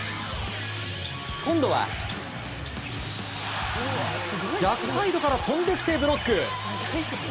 今度は逆サイドから飛んできてブロック。